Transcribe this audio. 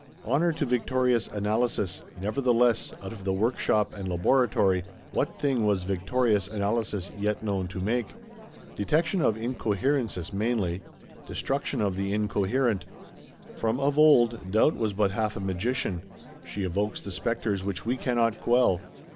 Honour to victorious Analysis; nevertheless, out of the Workshop and Laboratory, what thing was victorious Analysis yet known to make? Detection of incoherences, mainly; destruction of the incoherent. From of old, Doubt was but half a magician; she evokes the spectres which she cannot quell.